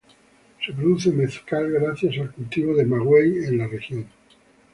Se produce mezcal gracias al cultivo del maguey en la región.